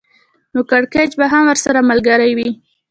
نو کړکېچ به هم ورسره ملګری وي